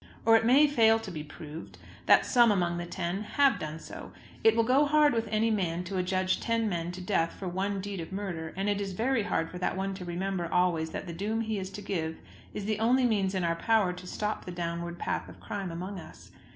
Or it may fail to be proved that some among the ten have done so. It will go hard with any man to adjudge ten men to death for one deed of murder; and it is very hard for that one to remember always that the doom he is to give is the only means in our power to stop the downward path of crime among us.